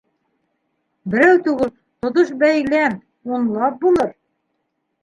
Берәү түгел, тотош бәйләм, унлап булыр.